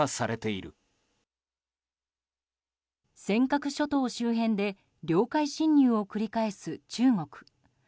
尖閣諸島周辺で領海侵入を繰り返す中国。